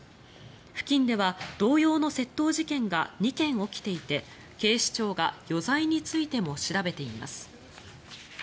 付近では同様の窃盗事件が２件起きていて警視庁が余罪についても調べています。